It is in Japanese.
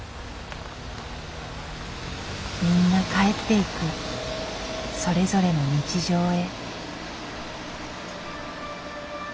みんな帰っていくそれぞれの日常へ。